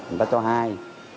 người ta cho hai